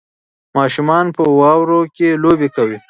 ماشومان په واوره کې لوبې کوي.